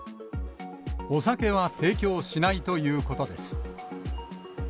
お酒は提供しないということです。